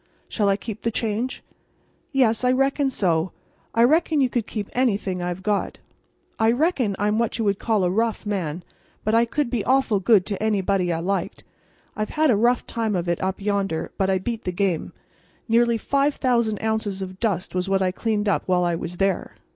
"Shall I keep the change?" "Yes, I reckon so. I reckon you could keep anything I've got. I reckon I'm what you would call a rough man, but I could be awful good to anybody I liked. I've had a rough time of it up yonder, but I beat the game. Nearly 5,000 ounces of dust was what I cleaned up while I was there."